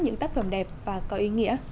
những tác phẩm đẹp và có ý nghĩa